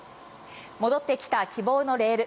戻ってきた希望のレール。